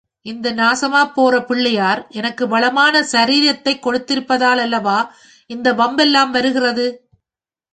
இந்த நாசமாப் போற பிள்ளையார் எனக்கு வளமான சாரீரத்தைக் கொடுத்திருப்பதாலல்லவா இந்த வம்பெல்லாம் வருகிறது.